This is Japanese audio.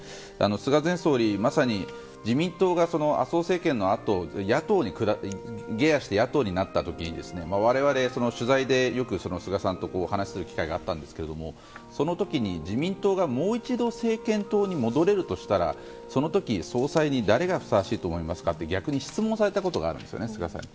菅前総理はまさに自民党が麻生政権のあと下野して、野党になった時に我々、取材でよく菅さんとお話しする機会があったんですけどその時に自民党がもう一度政権党に戻れるとしたらその時、総裁に誰がふさわしいと思いますかと逆に質問されたことがあるんです菅さんに。